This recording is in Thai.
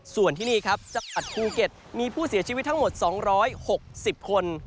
ส่วนที่นี่ครับจังหวัดภูเก็ตมีผู้เสียชีวิตทั้งหมด๒๖๐คน